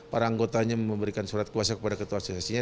para anggotanya memberikan surat kuasa kepada ketua asosiasinya